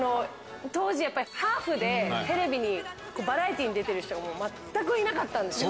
当時ハーフでテレビにバラエティーに出てる人が全くいなかったんですよ。